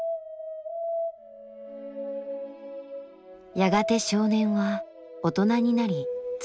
やがて少年は大人になり妻を持った。